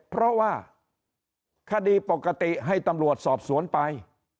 เพราะว่าคดีปกติให้ตำรวจสอบสวนไป